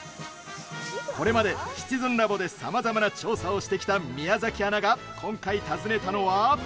これまでシチズンラボでさまざまな調査をしてきた宮崎アナが、今回訪ねたのは？